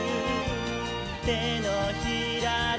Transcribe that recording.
「てのひらで」